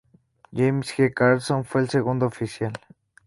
James J. Carson fue el segundo oficial.